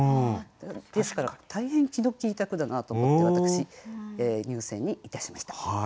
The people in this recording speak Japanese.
ですから大変気の利いた句だなと思って私入選にいたしました。